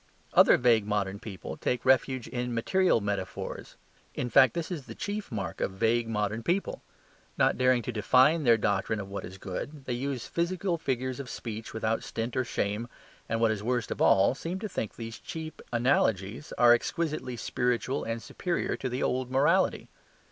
Other vague modern people take refuge in material metaphors; in fact, this is the chief mark of vague modern people. Not daring to define their doctrine of what is good, they use physical figures of speech without stint or shame, and, what is worst of all, seem to think these cheap analogies are exquisitely spiritual and superior to the old morality.